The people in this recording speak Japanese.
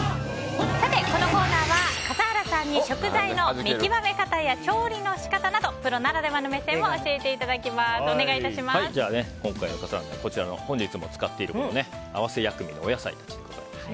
このコーナーは笠原さんに食材の見極め方や調理の仕方などプロならではの目線を今回の笠原の眼は本日も使っている合わせ薬味のお野菜たちです。